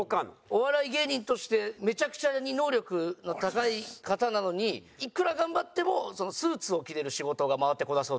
お笑い芸人としてめちゃくちゃに能力の高い方なのにいくら頑張ってもスーツを着れる仕事が回ってこなそうというか。